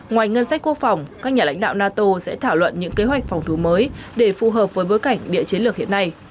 ngoài ngân sách quốc phòng các nhà lãnh đạo nato sẽ thảo luận những kế hoạch phòng thủ mới để phù hợp với bối cảnh địa chiến lược hiện nay